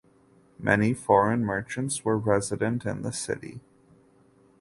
Many foreign merchants were resident in the city.